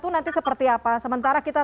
nanti seperti apa sementara kita